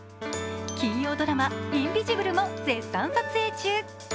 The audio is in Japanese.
金曜ドラマ「インビジブル」も絶賛撮影中。